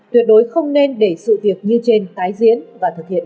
tuyệt đối không nên để sự việc như trên tái diễn và thực hiện